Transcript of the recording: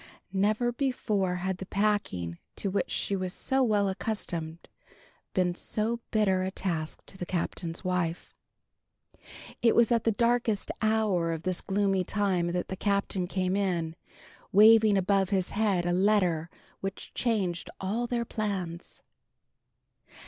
Never before had the packing to which she was so well accustomed, been so bitter a task to the Captain's wife. It was at the darkest hour of this gloomy time that the Captain came in, waving above his head a letter which changed all their plans.